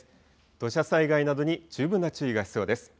土砂災害などに十分な注意が必要です。